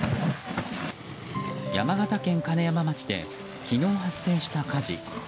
山形県金山町で昨日発生した火事。